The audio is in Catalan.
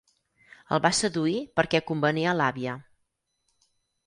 El va seduir perquè convenia a l'àvia.